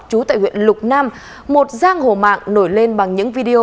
trú tại huyện lục nam một giang hổ mạng nổi lên bằng những video